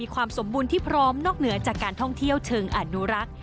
ความสมบูรณ์ที่พร้อมนอกเหนือจากการท่องเที่ยวเชิงอนุรักษ์